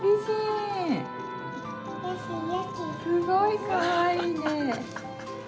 すごい、かわいいね。